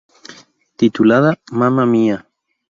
Titulada "Mamma Mia!